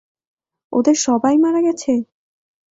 ওদের সবাই মারা গেছে!